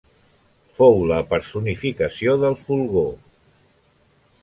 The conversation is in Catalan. Fou la personificació del fulgor.